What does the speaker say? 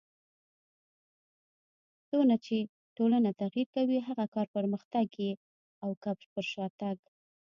څونه چي ټولنه تغير کوي؛ هغه که پرمختګ يي او که پر شاتګ.